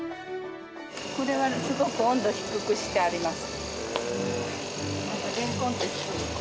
これはすごく温度低くしてあります。